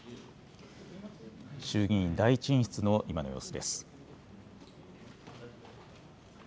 衆議院第１委員室の今の様子です。